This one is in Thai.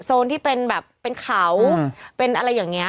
โซนที่เป็นแบบเป็นเขาเป็นอะไรอย่างนี้